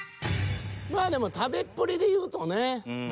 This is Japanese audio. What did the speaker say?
まあでも食べっぷりで言うとね。